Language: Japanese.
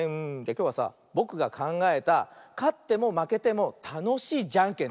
きょうはさぼくがかんがえたかってもまけてもたのしいじゃんけんというのやってみよう。